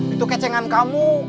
itu kecengan kamu